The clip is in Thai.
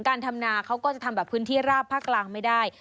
การทำนาเขาก็จะทำแบบพื้นที่ราบภาคกลางไม่ได้